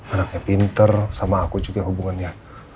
anaknya pinter sama aku juga hubungannya